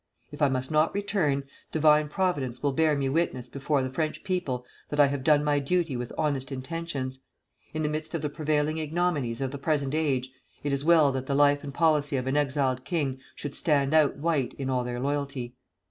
If I must not return, Divine Providence will bear me witness before the French people that I have done my duty with honest intentions. In the midst of the prevailing ignominies of the present age it is well that the life and policy of an exiled king should stand out white in all their loyalty."